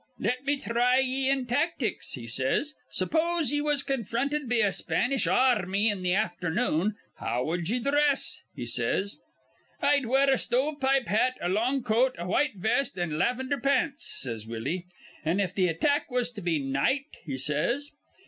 'Let me thry ye in tactics,' he says. 'Suppose ye was confronted be a Spanish ar rmy in th' afthernoon, how wud ye dhress?' he says. 'I'd wear a stovepipe hat, a long coat, a white vest, an' lavender pants,' says Willie. 'An' if th' attack was be night?' he says.